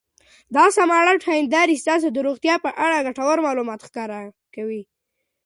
دا سمارټ هېندارې ستاسو د روغتیا په اړه ګټور معلومات ښکاره کوي.